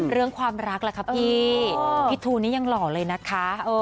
เรื่องความรักล่ะค่ะพี่พี่ทูนี่ยังหล่อเลยนะคะ